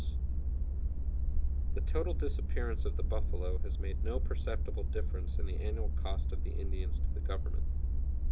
] The total disappearance of the buffalo has made no perceptible difference in the annual cost of the Indians to the Government.